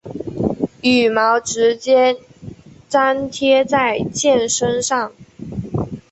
羽毛直接粘贴在箭身上。